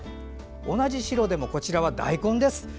同じ白でもこちらは大根です。